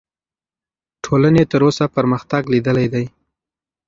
ټولنې تر اوسه پرمختګ لیدلی دی.